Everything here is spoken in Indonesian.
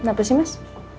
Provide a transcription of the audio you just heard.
kenapa sih mas